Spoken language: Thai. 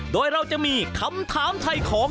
โดยเราจะมีคำถามถ่ายของ